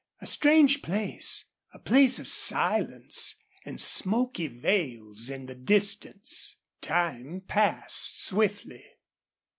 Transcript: A strange place, a place of silence, and smoky veils in the distance. Time passed swiftly.